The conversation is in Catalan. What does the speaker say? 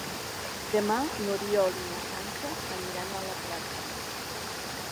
Demà n'Oriol i na Sança aniran a la platja.